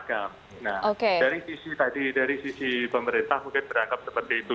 nah dari sisi tadi dari sisi pemerintah mungkin beranggap seperti itu